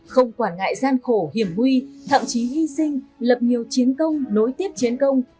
không quản ngại gian khổ hiểm nguy thậm chí hy sinh lập nhiều chiến công nối tiếp chiến công